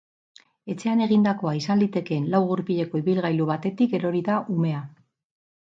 Etxean egindakoa izan litekeen lau gurpileko ibilgailu batetik erori da umea.